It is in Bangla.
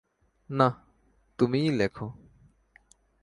না, তুমিই লেখো।